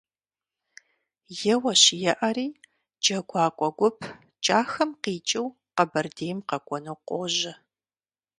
Еуэщ-еӀэри, джэгуакӀуэ гуп КӀахэм къикӀыу Къэбэрдейм къэкӀуэну къожьэ.